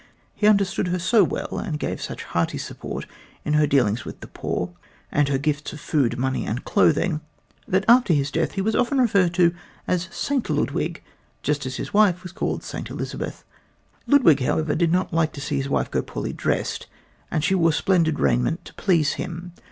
He understood her so well and gave her such hearty support in her dealings with the poor and her gifts of food, money and clothing, that after his death he was often referred to as Saint Ludwig, just as his wife was called Saint Elizabeth. Ludwig, however, did not like to see his wife go poorly dressed, and she wore splendid raiment to please him.